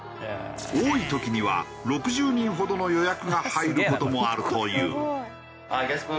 多い時には６０人ほどの予約が入る事もあるという。